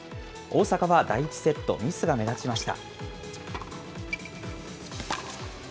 大坂は第１セット、ミスが目立ちました。